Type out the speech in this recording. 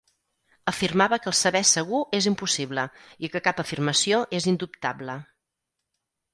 Afirmava que el saber segur és impossible i que cap afirmació és indubtable.